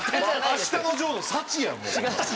『あしたのジョー』のサチやんもう。